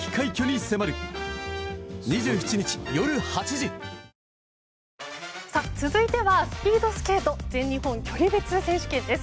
自分らしく秋を楽しもう続いてはスピードスケート全日本距離別選手権です。